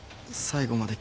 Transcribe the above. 最後まで？